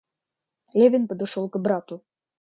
Левин подошел к брату.